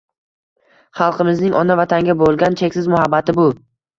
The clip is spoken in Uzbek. Xalqimizning Ona Vatanga boʻlgan cheksiz muhabbati bu